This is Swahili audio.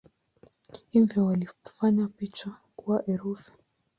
Hivyo walifanya picha kuwa herufi.